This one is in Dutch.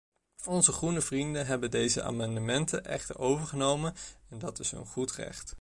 Onze groene vrienden hebben deze amendementen echter overgenomen, en dat is hun goed recht.